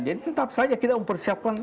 jadi tetap saja kita persiapkan